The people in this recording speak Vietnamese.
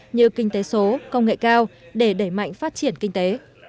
như kinh tế số công nghệ cao để đẩy mạnh phát triển kinh tế